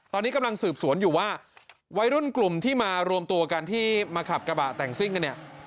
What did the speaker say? ตอนนี้กำลังสืบสวนอยู่ว่าวัยรุ่นกลุ่มที่มารวมตัวกันที่มาขับกระบะแต่งซิ่งกันเนี่ย